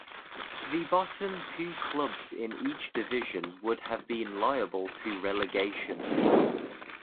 The bottom two clubs in each division would have been liable to relegation.